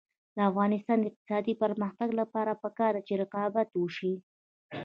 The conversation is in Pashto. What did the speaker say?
د افغانستان د اقتصادي پرمختګ لپاره پکار ده چې رقابت وشي.